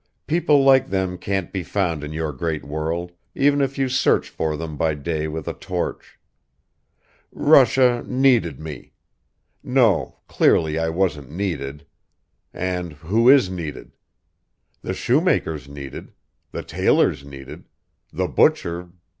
People like them can't be found in your great world even if you search for them by day with a torch ... Russia needed me ... no, clearly I wasn't needed. And who is needed? The shoemaker's needed, the tailor's needed, the butcher